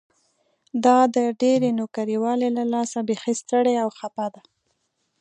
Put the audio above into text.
دا د ډېرې نوکري والۍ له لاسه بيخي ستړې او خپه ده.